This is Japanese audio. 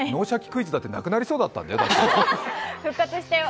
クイズ」だってなくなりそうだったんだよ。